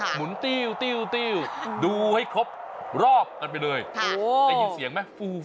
หมุนติ้วติ้วติ้วดูให้ครบรอบกันไปเลยโอ้โหได้ยินเสียงไหมฟูฟูฟู